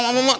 mak mak mak